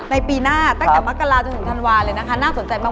ในปีหน้าตั้งแต่มักราจึงถึงทันวาลเลยน่าสนใจมาก